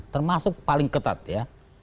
termasuk paling ketat ya